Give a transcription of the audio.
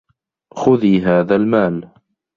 خذي هذا المال.